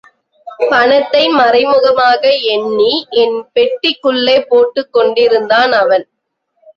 பணத்தை மறைமுகமாக எண்ணி எண் பெட்டிக்குள்ளே போட்டுக் கொண்டிருந்தான் அவன்.